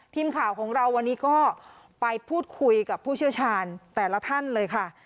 ทีมข่าวของเราวันนี้ก็ไปพูดคุยกับผู้เชี่ยวชาญแต่ละท่านเลยค่ะ